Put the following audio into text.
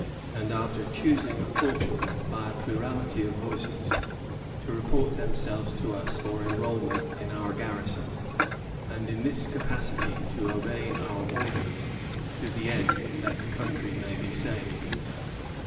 and after choosing a corporal by a plurality of voices, to report themselves to us for enrolment in our garrison, and, in this capacity, to obey our orders, to the end that the country may be saved."